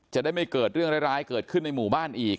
จะได้ไม่เกิดเรื่องร้ายเกิดขึ้นในหมู่บ้านอีก